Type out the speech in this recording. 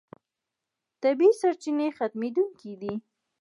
طبیعي سرچینې ختمېدونکې دي.